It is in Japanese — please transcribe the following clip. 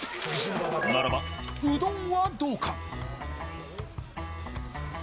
ならば、うどんはどうか。